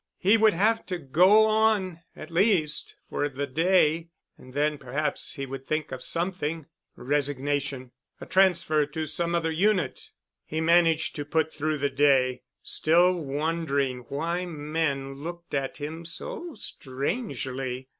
He would have to go on, at least for the day, and then perhaps he would think up something—resignation, a transfer to some other unit.... He managed to put through the day, still wondering why men looked at him so strangely.